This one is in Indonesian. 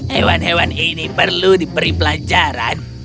hewan hewan ini perlu diberi pelajaran